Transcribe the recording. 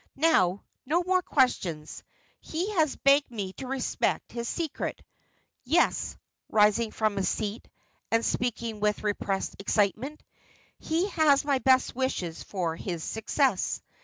Now, no more questions; he has begged me to respect his secret. Yes" rising from his seat, and speaking with repressed excitement "he has my best wishes for his success.